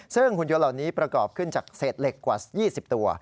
ซึ่งหุ่นยนต์เหล่านี้ประกอบขึ้นจากเศษเหล็กกว่า๒๐ตัว